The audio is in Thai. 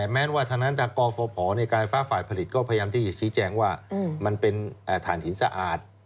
แม้ว่าธนัดกรภพการไฟฟ้าผลิตก็พยายามที่จะชี้แจงว่ามันเป็นฐานหินสะอาด